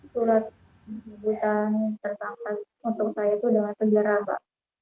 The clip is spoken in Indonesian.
turut hiburan tersangka untuk saya itu dengan kejar raba